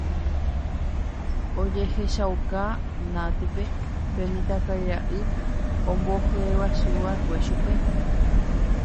ojehechauka Natípe pe mitãkaria'y ombohyeguasuva'ekue chupe